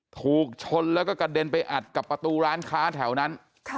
ถูกชนแล้วก็กระเด็นไปอัดกับประตูร้านค้าแถวนั้น